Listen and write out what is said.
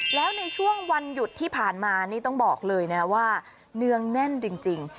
แล้วในช่วงวันหยุดที่ผ่านมานี่ต้องบอกเลยนะว่าเนืองแน่นจริง